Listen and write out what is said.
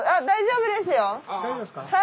大丈夫ですか？